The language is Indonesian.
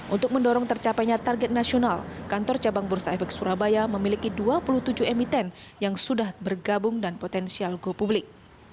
untuk mendorong tercapainya target nasional kantor cabang bursa efek surabaya memiliki dua puluh tujuh emiten yang sudah bergabung dan potensial go publik